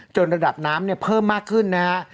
ระดับน้ำเนี่ยเพิ่มมากขึ้นนะฮะ